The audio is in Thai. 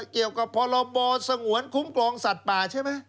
เกี่ยวกับพรบสงวนคุ้มครองสัตว์ป่าใช่ไหม